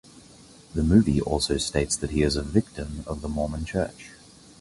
The movie also states that he is a "victim" of the Mormon Church.